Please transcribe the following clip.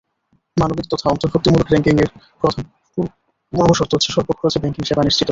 মানবিক তথা অন্তর্ভুক্তিমূলক ব্যাংকিংয়ের প্রধান পূর্বশর্ত হচ্ছে স্বল্প খরচে ব্যাংকিংসেবা নিশ্চিত করা।